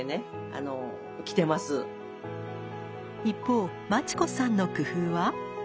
一方真知子さんの工夫は？